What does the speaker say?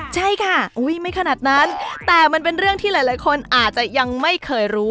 ใช่ค่ะไม่ขนาดนั้นแต่มันเป็นเรื่องที่หลายคนอาจจะยังไม่เคยรู้